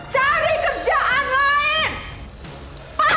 cari kerjaan lain